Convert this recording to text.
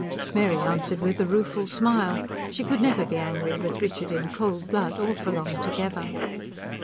Mary answered with a rueful smile. She could never be angry with Richard in cold blood, or for long together.